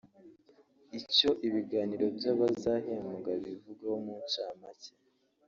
Icyo ibiganiro by’abazahembwa bivugaho mu ncamake…